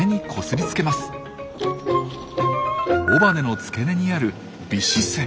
尾羽の付け根にある「尾脂腺」。